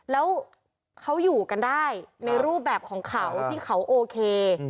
แล้วเขาอยู่กันได้ในรูปแบบของเขาที่เขาโอเค